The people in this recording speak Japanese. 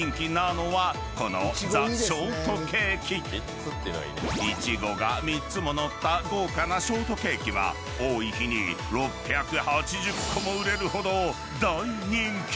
［しかし］［いちごが３つも載った豪華なショートケーキは多い日に６８０個も売れるほど大人気！］